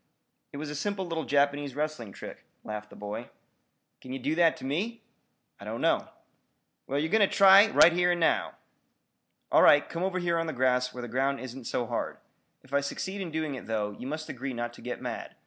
"It was a simple little Japanese wrestling trick," laughed the boy. "Kin ye do that to me?" "I don't know." "Well, yer going ter try and right here and now." "All right, come over here on the grass where the ground isn't so hard. If I succeed in doing it, though, you must agree not to get mad.